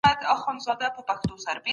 کتاب لوستل د انسان پوهه زياتوي.